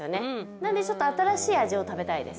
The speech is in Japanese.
なんでちょっと新しい味を食べたいです